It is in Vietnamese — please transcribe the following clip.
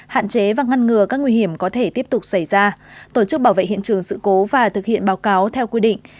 hạn chế và ngăn ngừa các nguy hiểm có thể tiếp tục xảy ra tổ chức bảo vệ hiện trường sự cố và thực hiện báo cáo theo quy định